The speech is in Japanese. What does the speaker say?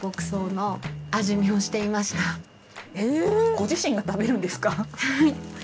ご自身が食べるんですか？